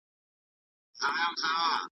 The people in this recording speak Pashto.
د شتمنو په مال کي د سوالګرو برخه ده.